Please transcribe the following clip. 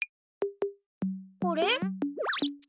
これ？